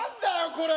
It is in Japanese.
これ！